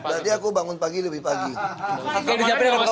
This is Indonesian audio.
berarti aku bangun pagi lebih pagi